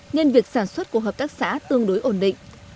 nên việc sản xuất của hợp tác xã tương đối ổn định